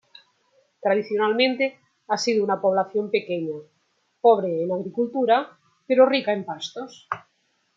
Tradicionalmente ha sido una población pequeña, pobre en agricultura, pero rica en pastos.